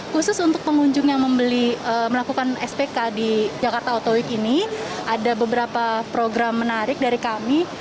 khusus untuk pengunjung yang membeli melakukan spk di jakarta auto week ini ada beberapa program menarik dari kami